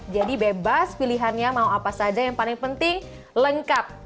bebas pilihannya mau apa saja yang paling penting lengkap